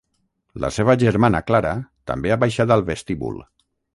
La seva germana Clara també ha baixat al vestíbul.